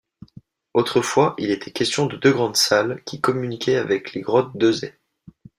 Autrefois, il était question de deux grandes salles, qui communiquaient avec les grottes d’Euzet.